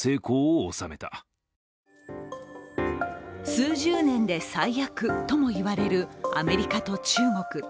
数十年で最悪ともいわれるアメリカと中国。